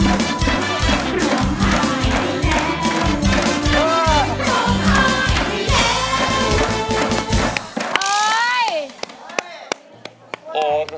โทษให้โทษให้โทษให้โทษให้